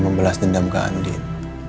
membelas dendam ke andin